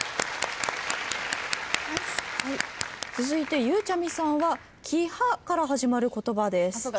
続いてゆうちゃみさんは「きは」から始まる言葉です。